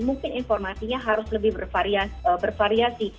mungkin informasinya harus lebih bervariasi